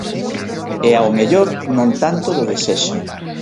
E ao mellor non tanto do desexo.